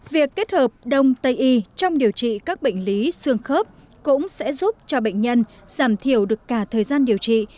việc kết hợp đông tây y trong điều trị các bệnh lý xương khớp cũng sẽ giúp cho bệnh nhân giảm thiểu được cả thời gian điều trị